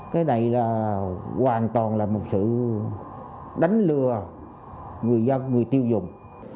cái này là hoàn toàn là một sự đánh lừa người dân người tiêu dùng